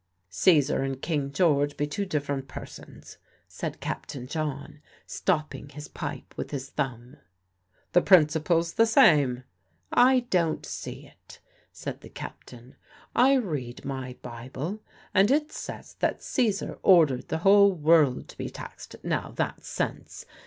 "Caesar and King George be two different persons," said Captain John, stopping his pipe with his thumb. "The principle's the same." "I don't see it," said the captain. "I read my Bible, and it says that Caesar ordered the whole world to be taxed. Now that's sense.